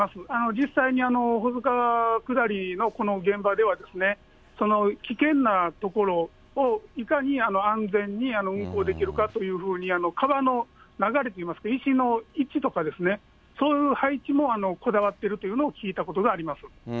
実際に保津川下りのこの現場では、危険な所をいかに安全に運航できるかというふうに、川の流れといいますか、石の位置とかですね、そういう配置もこだわっているというのを聞いたことがあります。